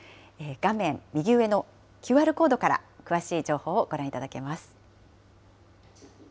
画面右上のＱＲコードから詳しい情報をご覧いただけます。